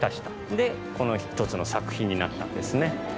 でこの１つの作品になったんですね。